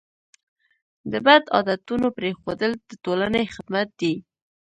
د بد عادتونو پرېښودل د ټولنې خدمت دی.